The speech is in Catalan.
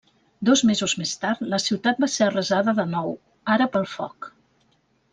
Dos mesos més tard, la ciutat va ser arrasada de nou, ara pel foc.